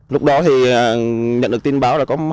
lúc đó thì nhận được tin báo là có